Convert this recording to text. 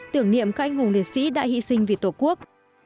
tưởng niệm các anh hùng liệt sĩ đã hy sinh vì tổ quốc